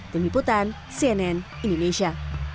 demi putan cnn indonesia